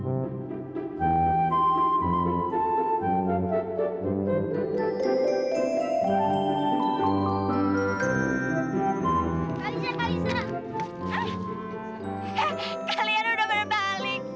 kalian udah berbalik